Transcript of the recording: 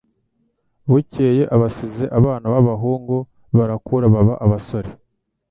Bukeye abasize abana b'abahungu barakura baba abasore